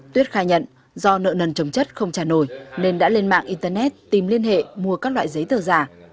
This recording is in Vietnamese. tuyết khai nhận do nợ nần trồng chất không trả nổi nên đã lên mạng internet tìm liên hệ mua các loại giấy tờ giả